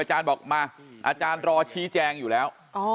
อาจารย์บอกมาอาจารย์รอชี้แจงอยู่แล้ว